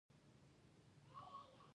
الماري د کوټې ښکلا زیاتوي